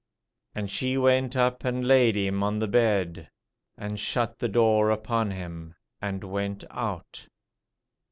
And she went up, and laid him on the bed. ... And shut the door upon him and went out."